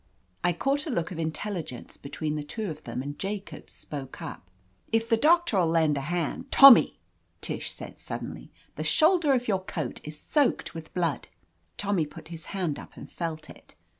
I caught a look of intelligence between the two of them, and Jacobs spoke up. "If the doctor'U lend a hand—" "Tommy," Tish said suddenly, "the shoul der of your coat is soaked with blood !" Tommy put his hand up and felt it.